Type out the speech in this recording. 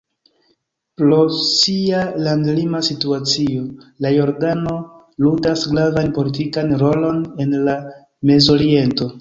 Pro sia landlima situacio, la Jordano ludas gravan politikan rolon en la Mezoriento.